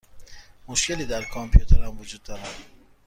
مشکلی در کامپیوترم وجود دارد.